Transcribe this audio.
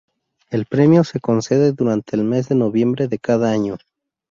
El premio se concede durante el mes de noviembre de cada año.